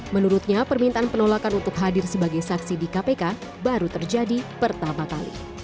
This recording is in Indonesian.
menurutnya permintaan penolakan untuk hadir sebagai saksi di kpk baru terjadi pertama kali